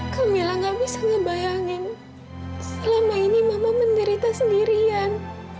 kamilah gak bisa ngebayangin selama ini mama menderita sendirian